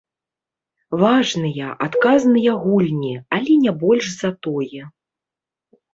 Важныя, адказныя гульні, але не больш за тое.